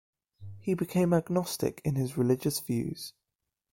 He became agnostic in his religious views.